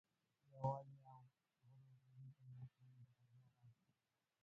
یووالی او ورورولي د ملتونو د بریا راز دی.